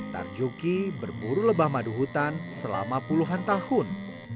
tarjuki berburu lebah madu hutan selama puluhan tahun